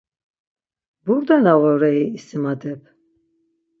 Burde na vorei isimadep?